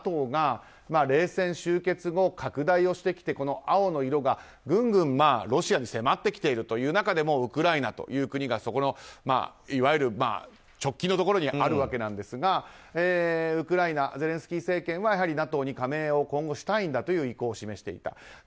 ＮＡＴＯが冷戦終結後拡大をしてきて青の色がぐんぐんロシアに迫ってきているという中でウクライナという国がいわゆる直近のところにあるわけなんですがウクライナ、ゼレンスキー政権はＮＡＴＯに加盟をしたいんだという意向を示していた。